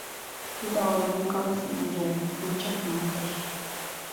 Тудо ала-мом каласынеже ыле, но чакналтыш...